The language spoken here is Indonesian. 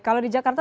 kalau di jakarta